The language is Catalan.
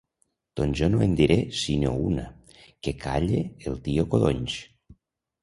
Doncs jo no en diré sinó una: «que calle el tio Codonys!»